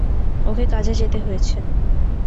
ওকে কাজে যেতে হয়েছে।